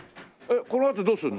このあとどうするの？